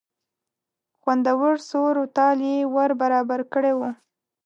خوندور سور و تال یې ور برابر کړی و.